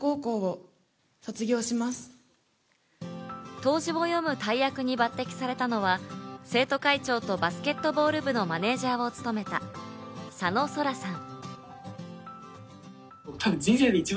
答辞を読む大役に抜擢されたのは、生徒会長とバスケットボール部のマネジャーを務めた佐野咲良さん。